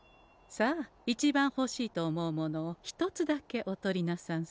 さあ一番ほしいと思うものを１つだけお取りなさんせ。